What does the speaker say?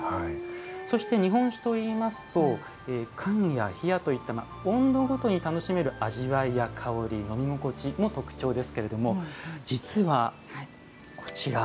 そして日本酒といいますと燗や冷やといった温度ごとに楽しめる味わいや香り飲み心地も特徴ですけれども実はこちら。